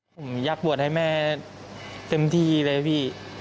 ผมอยากบวชให้แม่เต็มที่เลยพี่